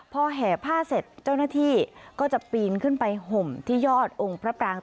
พอแห่ผ้าเสร็จเจ้าหน้าที่ก็จะปีนขึ้นไปห่มที่ยอดองค์พระปราง